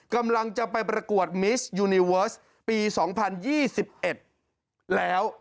กำลังจะไปประกวดมิสยูนิเวิร์สปี๒๐๒๑แล้ว